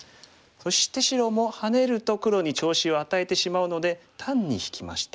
そして白もハネると黒に調子を与えてしまうので単に引きました。